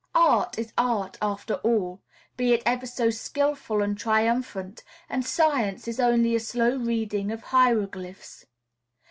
Art is art, after all, be it ever so skilful and triumphant, and science is only a slow reading of hieroglyphs.